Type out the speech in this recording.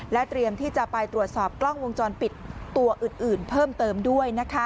เตรียมที่จะไปตรวจสอบกล้องวงจรปิดตัวอื่นเพิ่มเติมด้วย